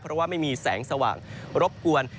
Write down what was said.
เพราะว่าไม่มีแสงสว่างรบกวน